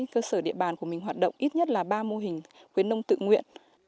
cơ sở địa bàn của mình hoạt động ít nhất là ba mô hình khuyến nông tự nguyện